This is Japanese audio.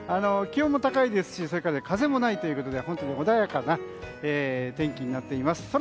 気温も高いですし風もないということで穏やかな天気になっています。